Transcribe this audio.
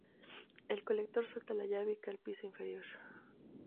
El Colector suelta la llave y cae al piso inferior.